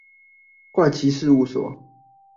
怪奇事物所